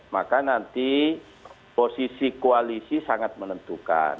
maka nanti posisi koalisi sangat menentukan